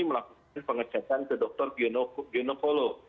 melakukan pengecatan ke dokter bionopolo